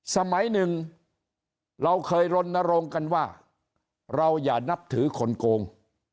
สมัยหนึ่งเราเคยรณรงค์กันว่าเราอย่านับถือคนโกง